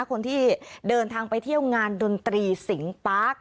คนที่เดินทางไปเที่ยวงานดนตรีสิงปาร์ค